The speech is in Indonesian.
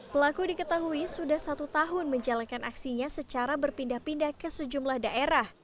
pelaku diketahui sudah satu tahun menjalankan aksinya secara berpindah pindah ke sejumlah daerah